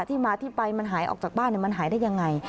ที่มาที่ไปมันหายออกจากบ้านมันหายได้ยังไง